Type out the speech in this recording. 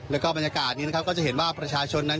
แล้วก็บรรยากาศนี้นะครับก็จะเห็นว่าประชาชนนั้น